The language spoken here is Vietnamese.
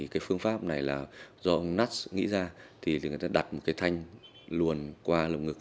cái phương pháp này là do ông nass nghĩ ra thì người ta đặt một cái thanh luồn qua lồng ngực